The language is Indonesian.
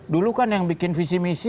dulu kan yang bikin visi misi